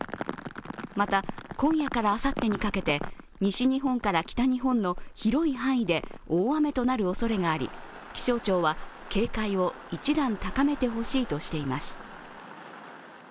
また、今夜からあさってにかけて西日本から北日本の広い範囲で大雨となるおそれがあり気象庁は警戒を一段高めてほしいとしています。